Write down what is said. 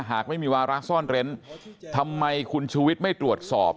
หากไม่มีวาระซ่อนเร้นทำไมคุณชูวิทย์ไม่ตรวจสอบ